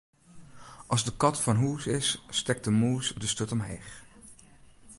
As de kat fan hûs is, stekt de mûs de sturt omheech.